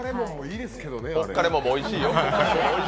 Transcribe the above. ポッカレモンもおいしいよ。